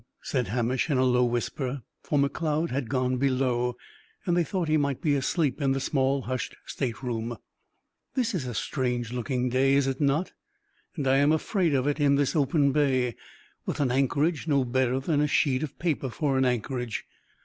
said Hamish in a low whisper, for Macleod had gone below, and they thought he might be asleep in the small hushed state room "this is a strange looking day, is it not? And I am afraid of it in this open bay, with an anchorage no better than a sheet of paper for an anchorage.